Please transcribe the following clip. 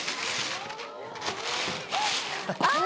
あっ！